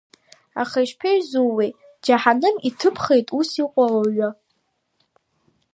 Аха ишԥеизууеи, џьаҳаным иҭы-ԥхеит ус иҟоу ауаҩы.